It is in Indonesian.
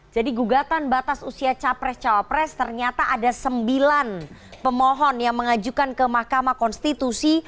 jadi gugatan batas usia capres cawapres ternyata ada sembilan pemohon yang mengajukan ke mahkamah konstitusi